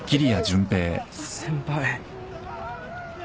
先輩。